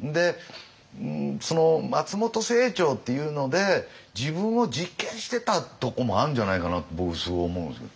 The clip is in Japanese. で松本清張っていうので自分を実験してたとこもあるんじゃないかなと僕すごい思うんですよ。